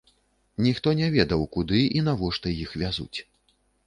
Ніхто не ведаў, куды і навошта іх вязуць.